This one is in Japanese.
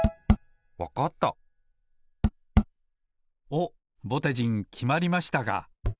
おっぼてじんきまりましたか。